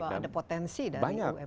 bahwa ada potensi dari umkm